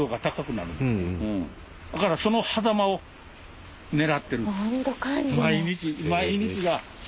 だからそのはざまを狙ってるんです。